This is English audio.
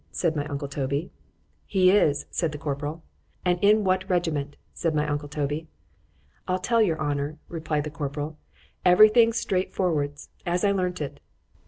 said my uncle Toby——He is, said the corporal——And in what regiment? said my uncle Toby——I'll tell your honour, replied the corporal, every thing straight forwards, as I learnt it.